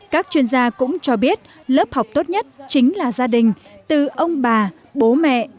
các chuyên gia cũng cho biết lớp học tốt nhất chính là gia đình từ ông bà bố mẹ